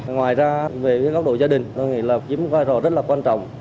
ngoài ra về cái góc độ gia đình tôi nghĩ là kiếm vai rõ rất là quan trọng